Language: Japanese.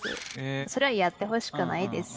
「それはやってほしくないです。